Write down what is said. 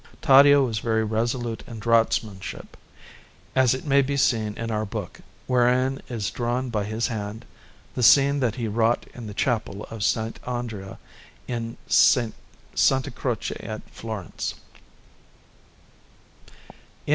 Taddeo was very resolute in draughtsmanship, as it may be seen in our book, wherein is drawn by his hand the scene that he wrought in the Chapel of S. Andrea, in S. Croce at Florence.